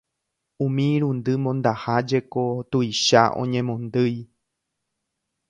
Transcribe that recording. Umi irundy mondaha jeko tuicha oñemondýi.